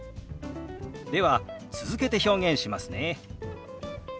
では続けて表現しますね。